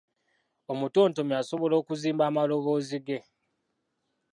Omutontomi asobola okuzimba amaloboozi ge,